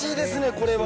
これは。